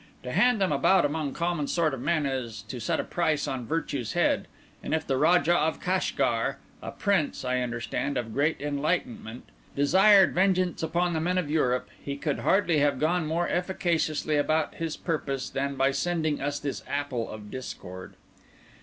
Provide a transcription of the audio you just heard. To hand them about among the common sort of men is to set a price on Virtue's head; and if the Rajah of Kashgar—a Prince, I understand, of great enlightenment—desired vengeance upon the men of Europe, he could hardly have gone more efficaciously about his purpose than by sending us this apple of discord.